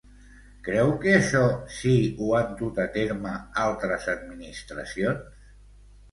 Creu que això si ho han dut a terme altres administracions?